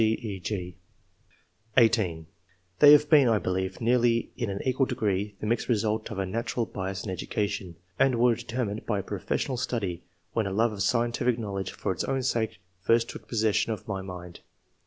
.." (a, d, e, g) (18) "They have been, I believe, nearly in an equal degree the mixed result of a natural bias and education, and were determined by profes sional study, when a love of scientific knowledge for its own sake first took possession of my mind."